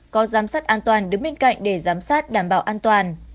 có giám sát an toàn đứng bên cạnh để giám sát đảm bảo an toàn